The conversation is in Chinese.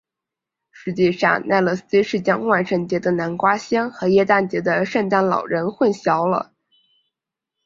实际上奈勒斯是将万圣节的南瓜仙和耶诞节的圣诞老人混淆了。